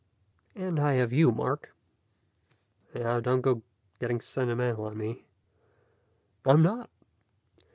And I have you, Mark." "Now, don't go getting sentimental on me " "I'm not.